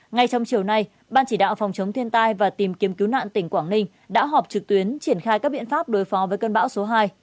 ngay trong chiều nay ban chỉ đạo phòng chống thiên tai và tìm kiếm cứu nạn tỉnh quảng ninh đã họp trực tuyến triển khai các biện pháp đối phó với cơn bão số hai